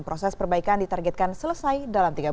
proses perbaikan ditargetkan selesai dalam tiga bulan